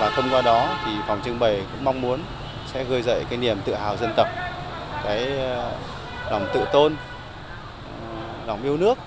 và thông qua đó thì phòng trưng bày cũng mong muốn sẽ gợi dậy cái niềm tự hào dân tộc cái lòng tự tôn lòng yêu nước